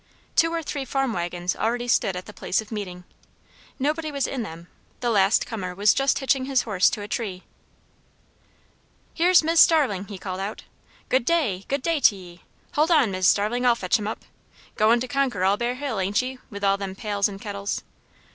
Two or three farm waggons already stood at the place of meeting; nobody was in them; the last comer was just hitching his horse to a tree. "Here's Mis' Starling," he called out. "Good day! good day to 'ye. Hold on, Mis' Starling I'll fetch him up. Goin' to conquer all Bear Hill, ain't ye, with all them pails and kettles?